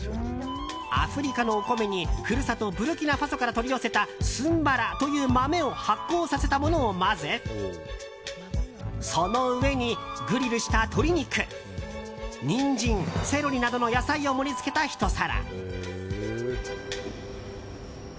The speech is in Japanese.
アフリカのお米に故郷ブルキナファソから取り寄せたスンバラという豆を発酵させたものを混ぜその上にグリルした鶏肉ニンジン、セロリなどの野菜を盛りつけたひと皿。